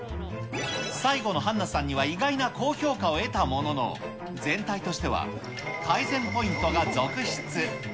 最後のはんなさんには意外な高評価を得たものの、全体としては改善ポイントが続出。